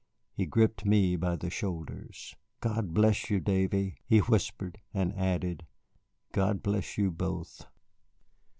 He gripped me by the shoulders. "God bless you, Davy," he whispered, and added, "God bless you both."